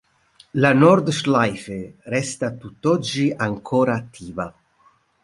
La "Nordschleife" resta a tutt'oggi ancora attiva.